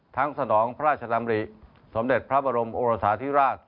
สนองพระราชดำริสมเด็จพระบรมโอรสาธิราช